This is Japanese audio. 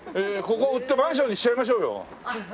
ここ売ってマンションにしちゃいましょうよ。